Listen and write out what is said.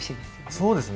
そうですね